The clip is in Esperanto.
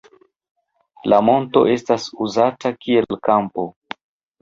La monto estas uzata kiel kampo.